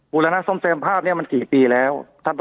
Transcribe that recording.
รณะซ่อมแซมภาพนี้มันกี่ปีแล้ว